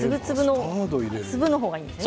粒の方がいいんですね。